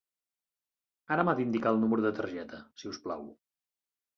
Ara m'ha d'indicar un número de targeta, si us plau.